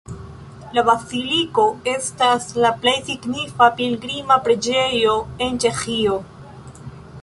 La baziliko estas la plej signifa pilgrima preĝejo en Ĉeĥio.